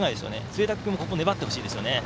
潰滝君も粘ってほしいですよね。